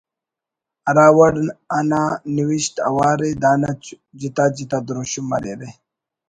ہر وڑ انا نوشت اوار ءِ دانا جتا جتا دروشم مریرہ